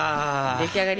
出来上がり？